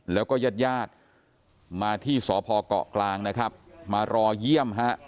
แล้วก็ญาติญาติมาที่สพเกาะกลางนะครับมารอเยี่ยมฮะ